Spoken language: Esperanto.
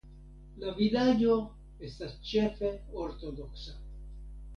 La vilaĝo estas ĉefe ortodoksa.